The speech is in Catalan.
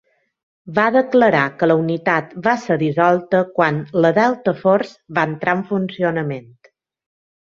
Va declarar que la unitat va ser dissolta quan la Delta Force va entrar en funcionament.